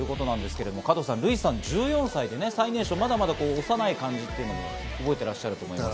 加藤さん、ＲＵＩさん１４歳で最年少、まだまだ幼い感じ、覚えていらっしゃると思います。